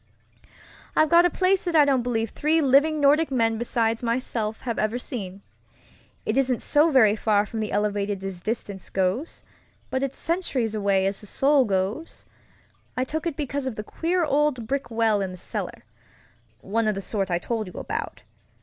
"I've got a place that I don't believe three living Nordic men besides myself have ever seen. It isn't so very far from the elevated as distance goes, but it's centuries away as the soul goes. I took it because of the queer old brick well in the cellarŌĆöone of the sort I told you about.